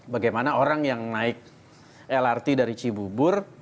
bagaimana orang yang naik lrt dari cibubur